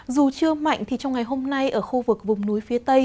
dù chưa mạnh thì trong ngày hôm nay ở khu vực vùng núi phía tây